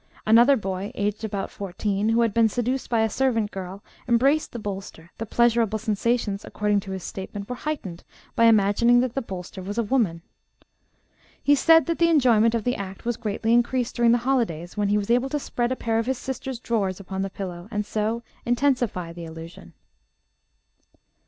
Another boy, aged about fourteen, who had been seduced by a servant girl, embraced the bolster; the pleasurable sensations, according to his statement, were heightened by imagining that the bolster was a woman. He said that the enjoyment of the act was greatly increased during the holidays, when he was able to spread a pair of his sister's drawers upon the pillow, and so intensify the illusion.